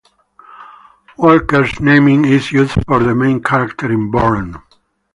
Walker's name is used for the main character in Burn!